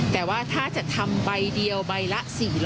แต่ว่าถ้าจะทำใบเดียวใบละ๔๐๐